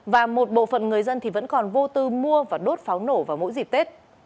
và một bộ phận người dân thì vẫn còn vô tư mua và đốt pháo nổ vào mỗi dịp tết